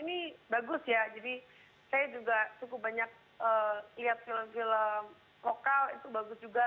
ini bagus ya jadi saya juga cukup banyak lihat film film lokal itu bagus juga